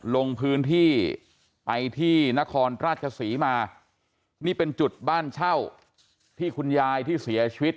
ลงพื้นที่ไปที่นครราชศรีมานี่เป็นจุดบ้านเช่าที่คุณยายที่เสียชีวิต